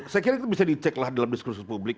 saya kira itu bisa diceklah dalam diskursus publik